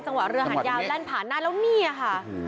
จังหวะเรือหางยาวแล่นผ่านแล้วนี่ค่ะ